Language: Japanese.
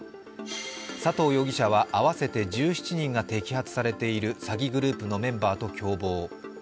佐藤容疑者は合わせて１７人が摘発されている詐欺グループのメンバーと共謀。